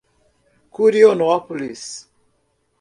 Curionópolis